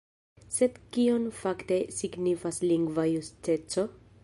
Sed kion fakte signifas lingva justeco?